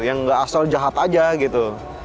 yang nggak asal jahat aja gitu